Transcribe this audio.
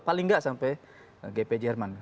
paling nggak sampai gp jerman